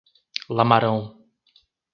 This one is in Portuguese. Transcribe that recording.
Lamarão